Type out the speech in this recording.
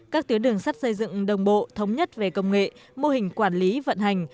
các tuyến đường sắt xây dựng đồng bộ thống nhất về công nghệ mô hình quản lý vận hành